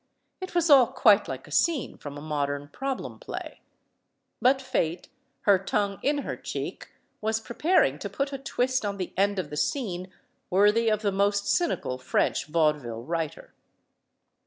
It was all quite like a scene from a mod ern problem play. But Fate, her tongue in her cheek, was preparing to put a twist on the end of the scene worthy of the most cynical French vaudeville writer.